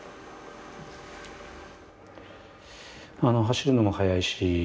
走るのも速いし。